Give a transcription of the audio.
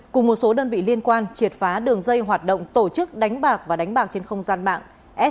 cùng một số đơn vị liên quan triệt phá đường dây hoạt động tổ chức đánh bạc và đánh bạc trên không gian mạng